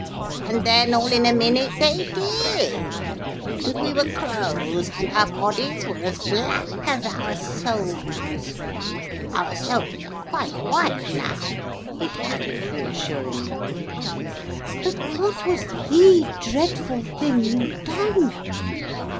And then all in a minute they did and we were crows, and our bodies were as black as our souls. Our souls are quite white now,' it added reassuringly. 'But what was the dreadful thing you'd done?'